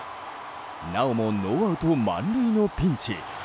なおもノーアウト満塁のピンチ。